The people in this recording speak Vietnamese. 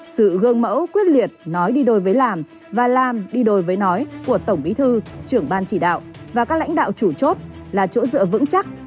sự gương mẫu quyết liệt nói đi đôi với làm và làm đi đôi với nói của tổng bí thư trưởng ban chỉ đạo và các lãnh đạo chủ chốt là chỗ dựa vững chắc